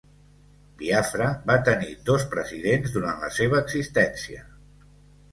Biafra va tenir dos presidents durant la seva existència.